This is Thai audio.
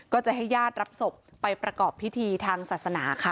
ก็จะให้ญาติรับศพไปประกอบพิธีทางศาสนาค่ะ